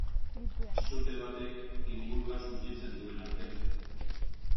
Sute batek ingurua suntsitzen duen arte.